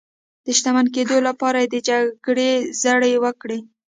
د شتمن کېدو لپاره یې د جګړې زړي وکرل.